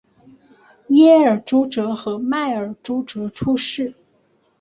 耶尔朱哲和迈尔朱哲出世。